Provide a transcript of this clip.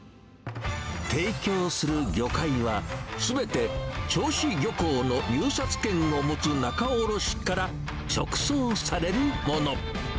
提供する魚介は、すべて銚子漁港の入札権を持つ仲卸から直送されるもの。